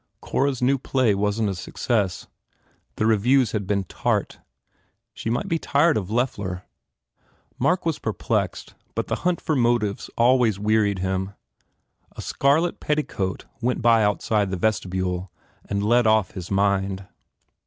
Cora s new play wasn t a success. The reviews had been tart. She might be tired of Loeffler. Mark was perplexed but the hunt for motives always wearied himw A scarlet petticoat went by outside the vestibule and led off his mind.